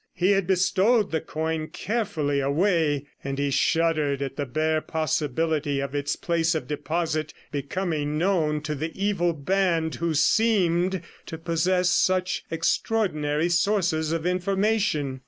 He had bestowed the coin carefully away, and he shuddered at the bare possibility of its place of deposit becoming known to the evil band who seemed to possess such extraordinary sources of information.